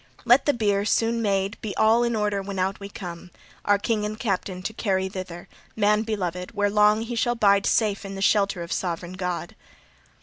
Let the bier, soon made, be all in order when out we come, our king and captain to carry thither man beloved where long he shall bide safe in the shelter of sovran God."